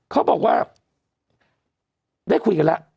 เขาบอกว่าได้คุยกันแล้ว